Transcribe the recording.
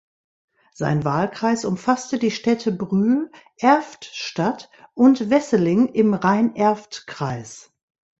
Sein Wahlkreis umfasste die Städte Brühl, Erftstadt und Wesseling im Rhein-Erft-Kreis.